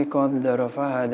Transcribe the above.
gatung keras sabut lagi